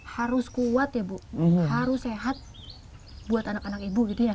harus kuat ya bu harus sehat buat anak anak ibu gitu ya